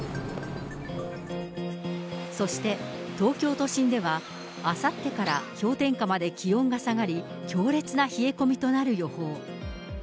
そして、東京都心では、あさってから氷点下まで気温が下がり、強烈な冷え込みとなる予報。